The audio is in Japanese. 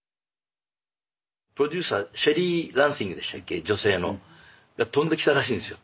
プロデューサーシェリー・ランシングでしたっけ女性の。が飛んできたらしいんですよ。